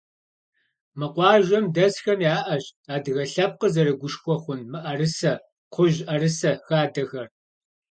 Мы къуажэм дэсхэм яӏэщ адыгэ лъэпкъыр зэрыгушхуэ хъун мыӏэрысэ, кхъужь ӏэрысэ хадэхэр.